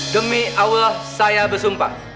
demi allah saya bersumpah